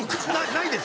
ないです。